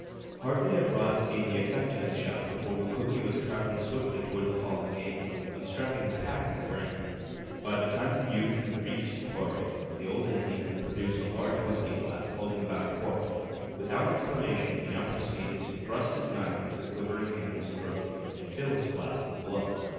Hardly had Rod seen the effect of his shot before Mukoki was traveling swiftly toward the fallen game, unstrapping his pack as he ran. By the time the youth reached his quarry the old Indian had produced a large whisky flask holding about a quart. Without explanation he now proceeded to thrust his knife into the quivering animal's throat and fill this flask with blood.